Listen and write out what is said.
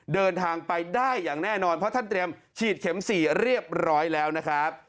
เดินทางไปได้อย่างแน่นอนเพราะท่านเตรียมฉีดเข็ม๔เรียบร้อยแล้วนะครับ